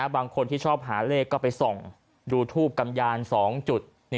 บางคนที่ชอบหาเลขก็ไปส่องดูทูบกำยาน๒จุด